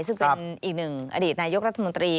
ซึ่งเป็นอีกหนึ่งอดีตนายกรัฐมนตรี